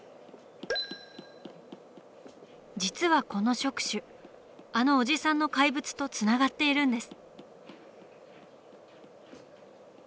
実はこの触手あのおじさんの怪物とつながっているんです。